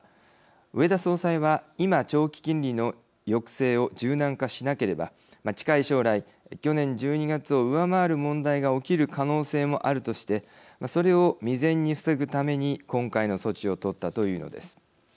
植田総裁は今長期金利の抑制を柔軟化しなければ近い将来去年１２月を上回る問題が起きる可能性もあるとしてそれを未然に防ぐために今回の措置を取ったというのです。